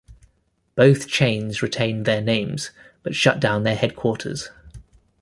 Both chains retained their names, but shut down their headquarters.